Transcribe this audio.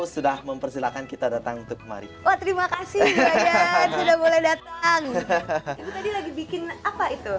sudah mempersilahkan kita datang untuk mari terima kasih sudah boleh datang bikin apa itu